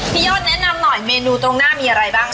ยอดแนะนำหน่อยเมนูตรงหน้ามีอะไรบ้าง